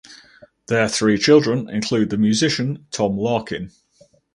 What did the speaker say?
Their three children include the musician Tom Larkin.